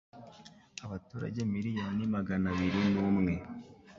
Abaturage Miriyoni magana biri numwe